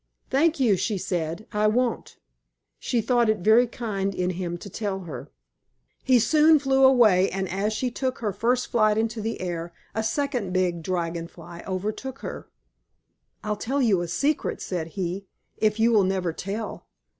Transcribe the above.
"Thank you," she said. "I won't." She thought it very kind in him to tell her. He soon flew away, and, as she took her first flight into the air, a second Big Dragon Fly overtook her. "I'll tell you a secret," said he, "if you will never tell."